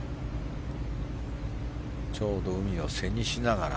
ちょうど海を背にしながら。